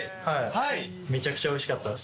めちゃくちゃおいしかったです。